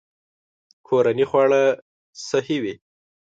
کورني خواړه صحي وي.